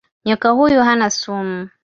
Nyoka huyu hana sumu.